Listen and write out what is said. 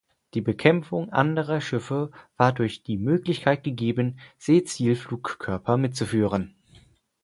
Die Bekämpfung anderer Schiffe war durch die Möglichkeit gegeben, Seezielflugkörper mitzuführen.